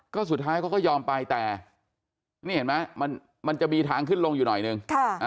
ก็สุดท้ายเขาก็ยอมไปแต่นี่เห็นไหมมันจะมีทางขึ้นลงอยู่หน่อยนึง